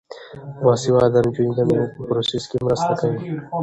باسواده نجونې د میوو په پروسس کې مرسته کوي.